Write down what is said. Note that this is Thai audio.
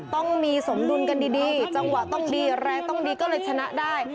ต้องมีสมดุลกันดีจังหวะต้องดีแรงต้องดีก็เลยชนะได้